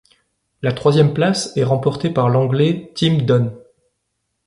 La troisième place est remportée par l'Anglais Tim Don.